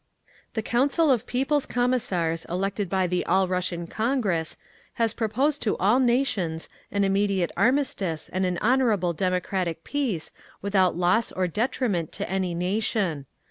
"THE COUNCIL OF PEOPLE's COMMISSARS elected by the All Russian Congress HAS PROPOSED TO ALL NATIONS AN IMMEDIATE ARMISTICE AND AN HONOURABLE DEMOCRATIC PEACE WITHOUT LOSS OR DETRIMENT TO ANY NATION.